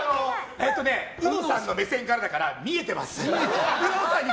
えっとね、うのさんの目線から見えてます。